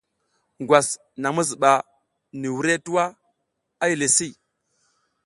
Ngwas naƞ mi zuɓa ni wurehe tuwa a yile si.